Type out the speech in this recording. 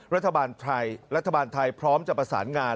รัฐบาลไทยพร้อมจะประสานงาน